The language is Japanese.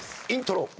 イントロ。